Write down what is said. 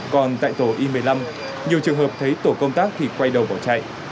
còn tại tổ i một mươi năm nhiều trường hợp thấy tổ công tác thì quay đầu bỏ chạy